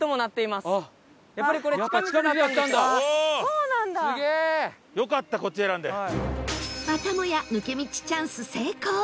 またもや抜け道チャンス成功